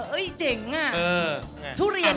ทุเรียนนี่คือชื่อ